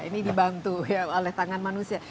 ini dibantu oleh tangan manusia